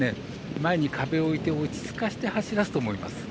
前に壁を置いて、落ち着かせて走らすと思います。